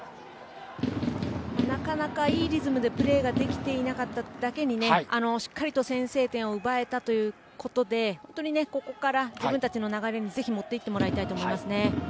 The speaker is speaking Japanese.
なかなかいいリズムでプレーできていなかっただけにしっかりと先制点を奪えたということで本当にここから自分たちの流れにもっていってもらいたいですね。